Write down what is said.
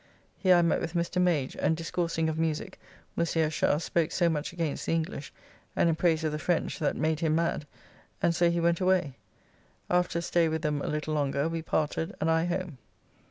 Here I met with Mr. Mage, and discoursing of musique Mons. Eschar spoke so much against the English and in praise of the French that made him mad, and so he went away. After a stay with them a little longer we parted and I home.